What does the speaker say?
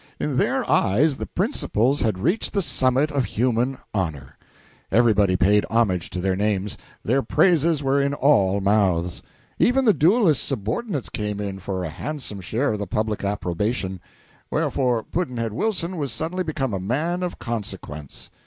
In their eyes the principals had reached the summit of human honor. Everybody paid homage to their names; their praises were in all mouths. Even the duelists' subordinates came in for a handsome share of the public approbation: wherefore Pudd'nhead Wilson was suddenly become a man of consequence.